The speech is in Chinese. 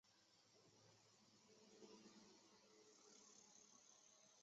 曲嘎寺是位于西藏自治区日喀则市定日县绒辖乡的一座藏传佛教寺院。